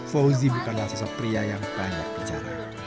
fauzi bukanlah sosok pria yang banyak bicara